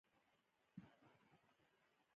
پابندي غرونه د افغانانو د فرهنګي پیژندنې یوه برخه ده.